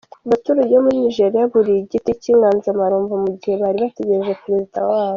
Abaturage bo muri Nigeria buriye igiti cy’inganzamarumbo mu gihe bari bategereje Perezida wabo .